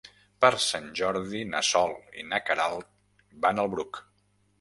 Per Sant Jordi na Sol i na Queralt van al Bruc.